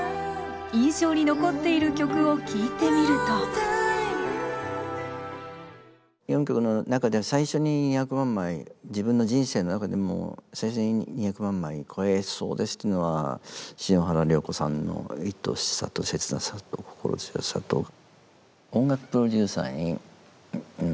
印象に残っている曲を聞いてみると４曲の中では最初に２００万枚自分の人生の中でも最初に２００万枚超えそうですっていうのは篠原涼子さんの「恋しさとせつなさと心強さと」。っていうのでえっ